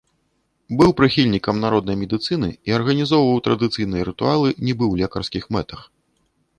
Быў прыхільнікам народнай медыцыны і арганізоўваў традыцыйныя рытуалы нібы ў лекарскіх мэтах.